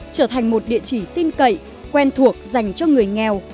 trở thành một địa chỉ tin cậy quen thuộc dành cho người nghèo